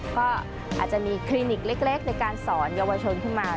ก็อาจจะมีคลินิกเล็กในการสอนเยาวชนขึ้นมา